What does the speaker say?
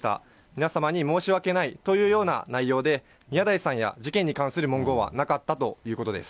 皆様に申し訳ないというような内容で、宮台さんや事件に関する文言はなかったということです。